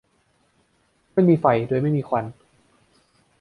ไม่มีไฟโดยไม่มีควัน